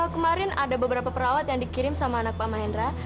kemarin ada beberapa perawat yang dikirim sama anak pak mahendra